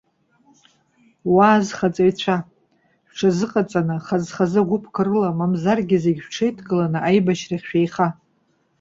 Уа, азхаҵаҩцәа! Шәҽазыҟаҵаны хаз-хазы агәыԥқәа рыла, мамзаргы зегьы шәҽеидкыланы аибашьрахь шәеиха.